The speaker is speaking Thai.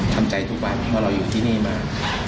ทำใจทุกวันเพราะเราอยู่ที่นี่มา